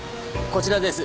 こちらです。